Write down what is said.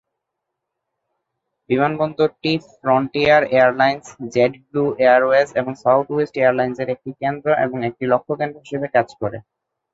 বিমানবন্দরটি Frontier Airlines, JetBlue Airways এবং Southwest এয়ারলাইন্সের একটি কেন্দ্র এবং একটি লক্ষ্য কেন্দ্র হিসাবে কাজ করে।